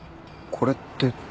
これって。